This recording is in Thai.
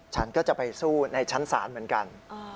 ฉันก็จะไปสู้ในชั้นศาลเหมือนกัน